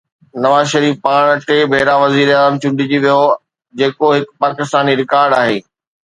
نواز شريف پاڻ ٽي ڀيرا وزيراعظم چونڊجي ويو، جيڪو هڪ پاڪستاني رڪارڊ آهي.